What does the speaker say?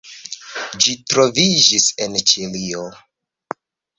Ĝi troviĝis en Ĉilio.